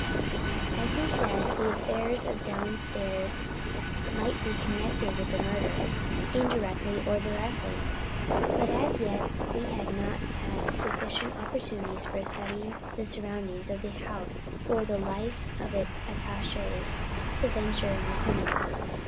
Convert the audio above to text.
As he said, the affair of downstairs might be connected with the murder, indirectly or directly, but as yet we had not had sufficient opportunities for studying the surroundings of the house or the life of its attachés to venture an opinion.